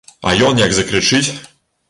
А ён як закрычыць!